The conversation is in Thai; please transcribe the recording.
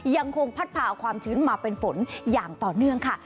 ยังคงพัดพาเอาความชื้นมาเป็นฝนอย่างต่อเนื่องค่ะ